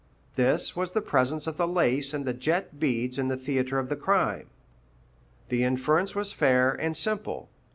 This was the presence of the lace and the jet beads in the theatre of the crime. The inference was fair and simple.